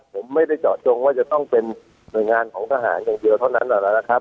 ผมไม่ได้เจาะจงว่าจะต้องเป็นหน่วยงานของทหารอย่างเดียวเท่านั้นนะครับ